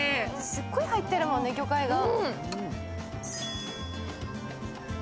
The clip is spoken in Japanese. すごい入ってるもんね、魚介が。